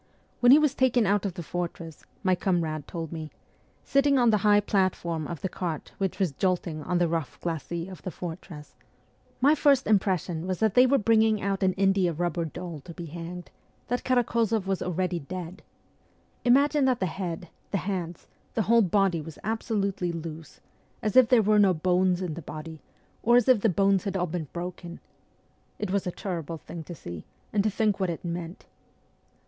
' When he was taken out of the fortress,' my comrade told me, ' sitting on the high platform of the cart which was jolting on the 38 rough glacis of the fortress, my first impression was that they were bringing out an india rubber doll to be hanged, that Karak6zoff was already dead. Imagine that the head, the hands, the whole body were absolutely loose, as if there were no bones in the body, or as if the bones had all been broken. It was a terrible thing to see, and to think what it meant.